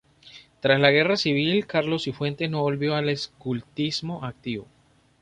Tras la Guerra Civil, Carlos Cifuentes no volvió al escultismo activo.